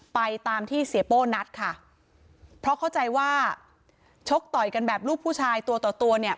ไปตามที่เสียโป้นัดค่ะเพราะเข้าใจว่าชกต่อยกันแบบลูกผู้ชายตัวต่อตัวเนี่ย